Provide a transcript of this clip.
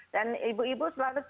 dan ibu ibu selalu cerita